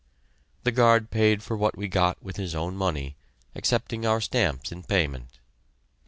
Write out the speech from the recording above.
The guard paid for what we got with his own money, accepting our stamps in payment.